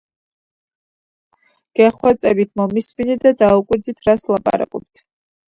გეხვეწებით მომისმინეთ და დაუკვირდით რას ლაპარაკობთ